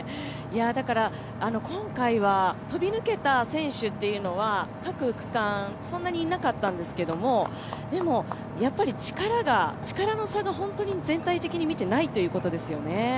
だから今回は飛び抜けた選手は各区間、そんなにいなかったんですけども、でも力の差が全体的に見て、ないということですよね。